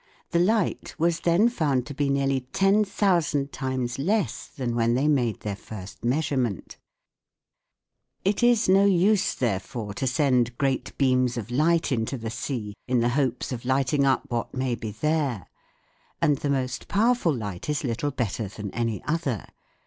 The light was then found to be nearly ten thousand times less than when they made their first measurement. SOUND IN WAR 163 It is no use, therefore, to send great beams of light into the sea in the hopes of lighting up what may be there ; and the most powerful light is little better than any other.